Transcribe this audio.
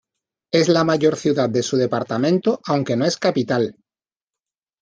Es la mayor ciudad de su departamento aunque no es capital.